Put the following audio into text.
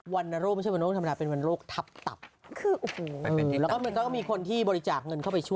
วันนรกพาไม้เป็นวันโรคทับขึ้นแล้วมีคนที่บริจาคเงินเข้าไป